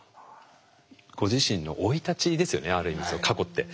ご自身の生い立ちですよねある意味過去って。